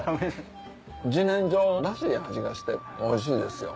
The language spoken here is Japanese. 自然薯らしい味がしておいしいですよ。